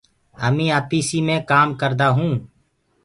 همينٚ آڦيِسي مي ڪآم ڪردآ هونٚ